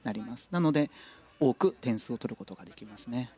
なので、多く点数を取ることができますね。